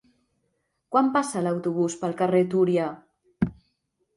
Quan passa l'autobús pel carrer Túria?